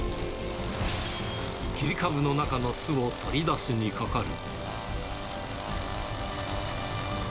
切り株の中の巣を取り出しにかかる。